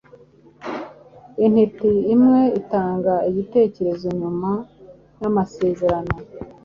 Intiti imwe itanga igitekerezo nyuma yamasezerano